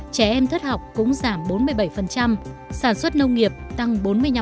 trẻ em thất học cũng giảm bốn mươi bảy sản xuất nông nghiệp tăng bốn mươi năm